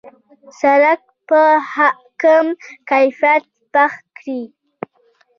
سړک په کم کیفیت پخ کړي.